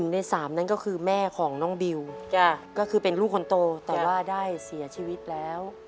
ใน๓นั้นก็คือแม่ของน้องบิวก็คือเป็นลูกคนโตแต่ว่าได้เสียชีวิตแล้ว